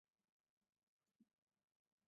Имп Рос.